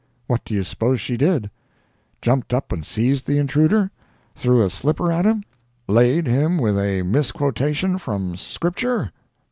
What do you suppose she did?—jumped up and seized the intruder?—threw a slipper at him?—"laid" him with a misquotation from Scripture?